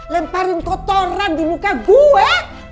lemparin kotoran di muka gue